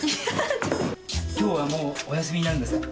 きょうはもうお休みになるんですか？